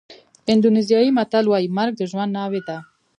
اندونېزیایي متل وایي مرګ د ژوند ناوې ده.